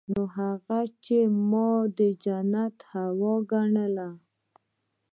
نو هغه چې ما د جنت هوا ګڼله.